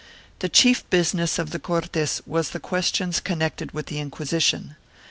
3 The chief business of the Cortes was the questions connected with the Inquisition.